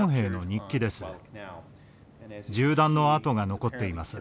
銃弾の痕が残っています。